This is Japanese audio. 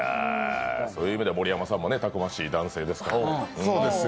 そういう意味では盛山さんもたくましい男性ですよ。